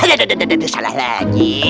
aduh aduh aduh salah lagi